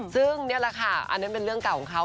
ซึ่งนี่แหละค่ะอันนั้นเป็นเรื่องเก่าของเขา